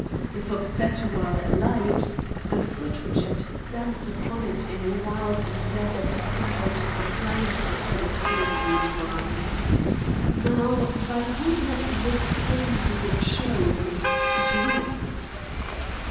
If upset while alight, the foot which had stamped upon it in a wild endeavor to put out the flames had been a frenzied one. Now, by whom had this frenzy been shown, and when?